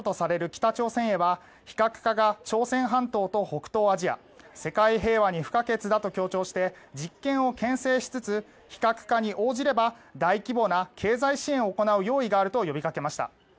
北朝鮮へは非核化が朝鮮半島と北東アジア世界平和に不可欠だと強調して実験をけん制しつつ非核化に応じれば大規模な経済支援を行う用意があると呼びかけました。